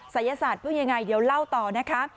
ศัยศาสตร์พูดยังไงเดี๋ยวเล่าต่อนะคะ